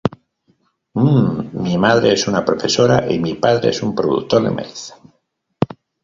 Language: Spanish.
Umm, mi madre es una profesora y mi padre es un productor de maíz.